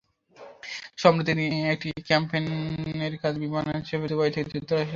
সম্প্রতি তিনি একটি ক্যাম্পেইনের কাজে বিমানে চেপে দুবাই থেকে যুক্তরাষ্ট্র যাচ্ছিলেন।